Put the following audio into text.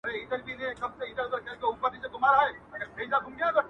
د ژوندون کلونه باد غوندي چلیږي -